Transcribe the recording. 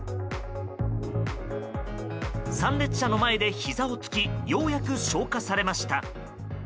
参列者の前で、ひざをつきようやく消火されました。